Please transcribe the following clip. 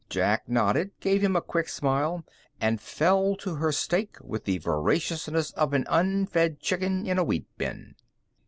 Jack nodded, gave him a quick smile, and fell to on her steak with the voraciousness of an unfed chicken in a wheat bin.